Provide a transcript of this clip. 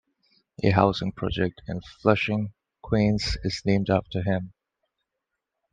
A housing project in Flushing, Queens, is named after him.